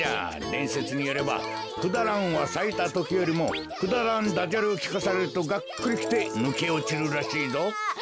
でんせつによればクダランはさいたときよりもくだらんダジャレをきかされるとがっくりきてぬけおちるらしいぞ。